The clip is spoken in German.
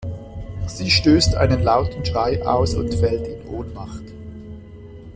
Sie stößt einen lauten Schrei aus und fällt in Ohnmacht.